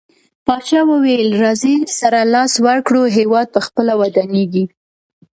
پاچاه وويل: راځٸ سره لاس ورکړو هيواد په خپله ودانيږي.